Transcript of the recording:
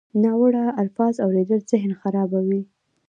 ناوړه الفاظ اورېدل ذهن خرابوي.